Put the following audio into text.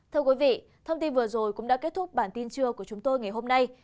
thưa quý vị thông tin vừa rồi cũng đã kết thúc bản tin trưa của chúng tôi ngày hôm nay